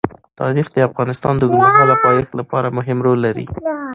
تاریخ د افغانستان د اوږدمهاله پایښت لپاره مهم رول لري.